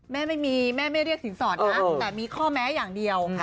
แม่ไม่มีแม่ไม่เรียกสินสอดนะแต่มีข้อแม้อย่างเดียว